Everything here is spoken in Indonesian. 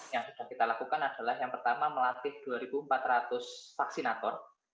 yang sudah kita lakukan adalah yang pertama melatih dua empat ratus vaksinator